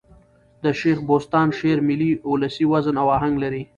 د شېخ بُستان شعر ملي اولسي وزن او آهنګ لري.